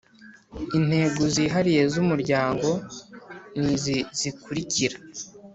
Intego zihariye z umuryango n izi zikurikira